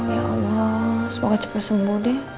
ya allah semoga cepat sembuh deh